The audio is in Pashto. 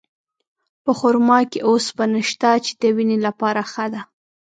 په خرما کې اوسپنه شته، چې د وینې لپاره ښه ده.